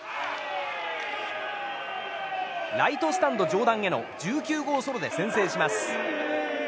ライトスタンド上段への１９号ソロで先制します。